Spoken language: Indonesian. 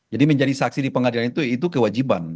jadi menjadi saksi di pengadilan itu itu kewajiban